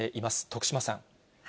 徳島さん。